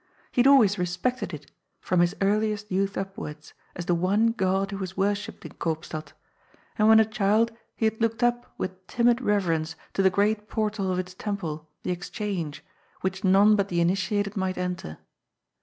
He had always respected it, from his earliest youth upwards, as the one god who is worshipped in Koopstad, and when a child he had looked up with timid reverence to the great portal of its temple, the Exchange, which none but the initiated might enter.